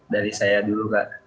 dari saya dulu kak